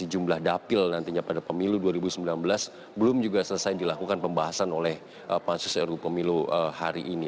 jumlah dapil nantinya pada pemilu dua ribu sembilan belas belum juga selesai dilakukan pembahasan oleh pansus ru pemilu hari ini